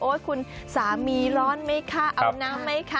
คุณสามีร้อนไหมคะเอาน้ำไหมคะ